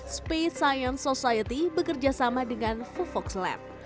space science society bekerjasama dengan vovoks lab